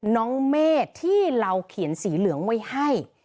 น้องเมฆที่เราเขียนสีเหลืองไว้ให้